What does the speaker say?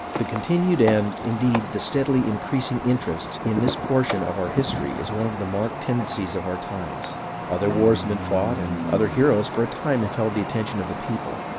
The continued, and, indeed, the steadily increasing, in terest in this portion of our history is one of the marked tendencies of our times. Other wars have been fought and other heroes for a time held the attention of the people.